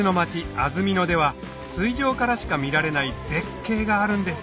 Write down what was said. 安曇野では水上からしか見られない絶景があるんです